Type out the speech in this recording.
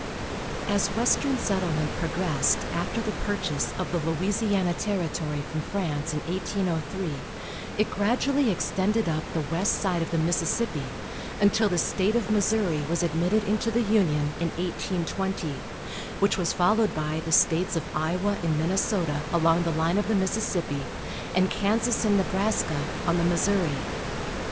As western settlement progressed after the purchase of the Louisiana territory from France in 1803, it gradually extended up the west side of the Mississippi, until the State of Missouri was admitted into the Union, in 1820, which was followed by the States of Iowa and Minnesota, along the line of the Mississippi, and Kansas and Nebraska, on the Missouri.